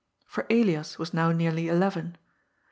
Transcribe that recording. For Elias was now nearly eleven.